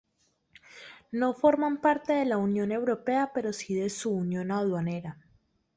No forman parte de la Unión Europea pero sí de su unión aduanera.